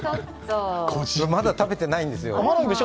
まだ食べてないんですよ。